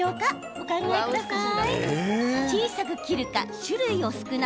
お考えください。